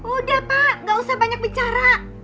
udah pak gak usah banyak bicara